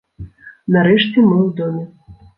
Нарэшце мы ў доме.